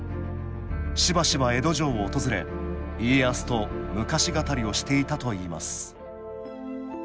しばしば江戸城を訪れ家康と昔語りをしていたといいます